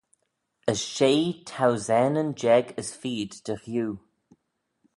As shey thousaneyn jeig as feed dy ghew.